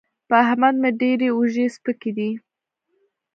په احمد مې ډېرې اوږې سپکې دي.